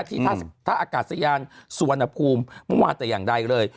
ที่ถ้าถ้าอากาศยานสวนภูมิมันว่าจะอย่างใดเลย